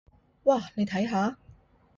哇，你睇下！